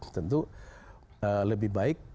tentu lebih baik